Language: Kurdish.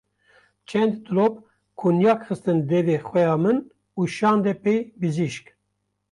Çend dilop kunyak xistin devê xweha min û şande pey bijîşk.